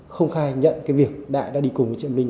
không khai nhận cái việc đại đã đi cùng với chị em linh